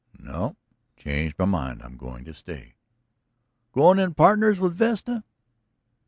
"No. Changed my mind; I'm going to stay." "Goin' in pardners with Vesta?"